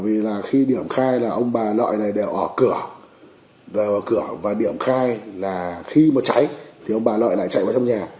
vì là khi điểm khai là ông bà lợi này đều ở cửa đều ở cửa và điểm khai là khi mà cháy thì ông bà lợi lại chạy vào trong nhà